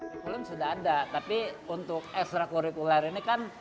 sekolah sudah ada tapi untuk ekstra kurikular ini kan